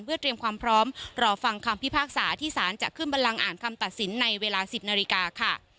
เพื่อเตรียมความพร้อมรอฟังคำพิพากษาที่สารจะขึ้นบันลังอ่านคำตัดสินในเวลา๑๐นาฬิกาค่ะ